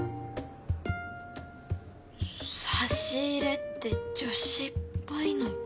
差し入れって女子っぽいのか？